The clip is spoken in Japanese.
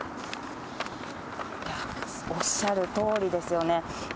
おっしゃるとおりですよね。